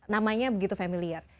namanya begitu familiar